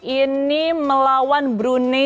ini melawan brunei